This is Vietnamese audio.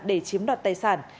để chiếm đoạt tài sản